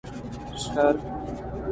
شر